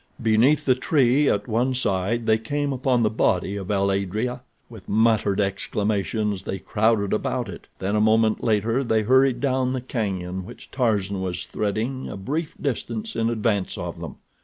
Beneath the tree at one side they came upon the body of el adrea. With muttered exclamations they crowded about it. Then, a moment later, they hurried down the cañon which Tarzan was threading a brief distance in advance of them.